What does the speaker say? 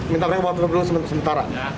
minta mereka buat terkoneksi sementara